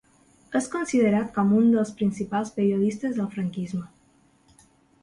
És considerat com un dels principals periodistes del franquisme.